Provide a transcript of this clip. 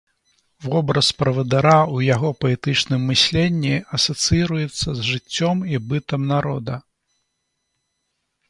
Вобраз правадыра ў яго паэтычным мысленні асацыіруецца з жыццём і бытам народа.